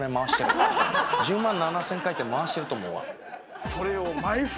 １０万７０００回転回してると思うわ。